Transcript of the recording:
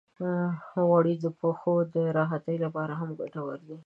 غوړې د پښو د راحتۍ لپاره هم ګټورې دي.